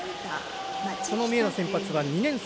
三重の先発は２年生。